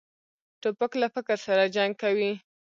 توپک له فکر سره جنګ کوي.